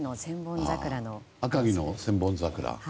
赤城の千本桜。